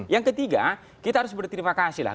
yang ketiga kita harus berterima kasih lah